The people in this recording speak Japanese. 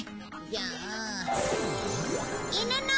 じゃあ。